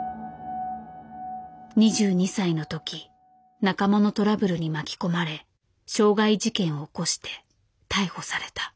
２２歳の時仲間のトラブルに巻き込まれ傷害事件を起こして逮捕された。